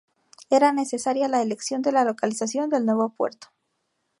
Era necesaria la elección de la localización del nuevo puerto.